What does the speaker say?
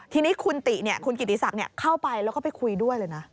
ทีนี้คุณติคุณกิติศักดิ์เข้าไปแล้วก็ไปคุยด้วยเลยนะ